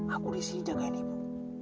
aku disini jagain ibu